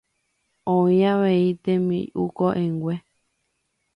Oĩ avei tembi'u ko'ẽngue